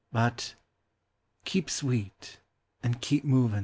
But " Keep sweet and keep movin'."